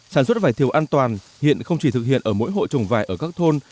sản xuất vải thiều an toàn hiện không chỉ thực hiện ở mỗi hộ trồng vải ở các thôn